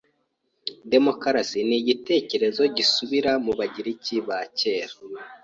Demokarasi ni igitekerezo gisubira mu Bagereki ba kera.